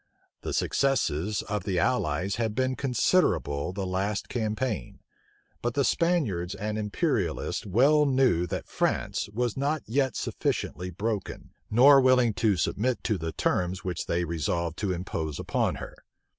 } The successes of the allies had been considerable the last campaign; but the Spaniards and imperialists well knew that France was not yet sufficiently broken, nor willing to submit to the terms which they resolved to impose upon her.